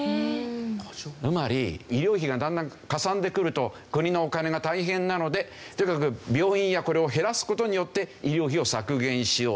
つまり医療費がだんだんかさんでくると国のお金が大変なのでとにかく病院やこれを減らす事によって医療費を削減しよう。